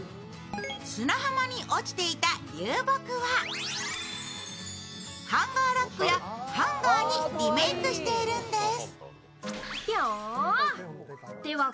砂浜に落ちていた流木はハンガーラックやハンガーにリメークしているんです。